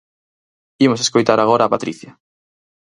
Imos escoitar agora a Patricia.